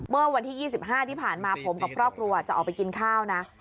เมื่อวันที่๒๕ที่ผ่านมาผมกับครอบครัวจะออกไปกินข้าวนะ